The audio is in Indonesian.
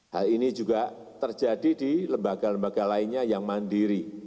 hal ini juga terjadi di lembaga lembaga lainnya yang mandiri